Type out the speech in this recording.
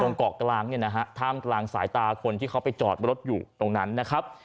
เกาะกลางเนี่ยนะฮะท่ามกลางสายตาคนที่เขาไปจอดรถอยู่ตรงนั้นนะครับ